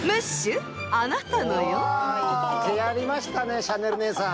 言ってやりましたねシャネルねえさん。